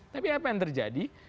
tapi apa yang terjadi